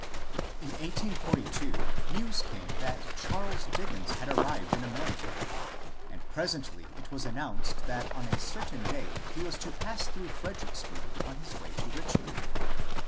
In 1842 news came that Charles Dickens had arrived in America, and presently it was announced that on a certain day he was to pass through Fredericksburg on his way to Richmond.